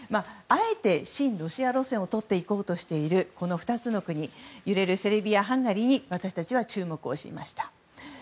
あえて、親ロシア路線をとっていこうとしている２つの国揺れるセルビア、ハンガリーに私たちは注目をしました。